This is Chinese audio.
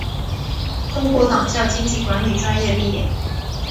中央党校经济管理专业毕业。